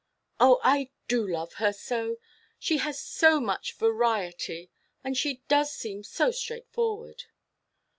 "Oh, I do love her so. She has so much variety, and she does seem so straightforward."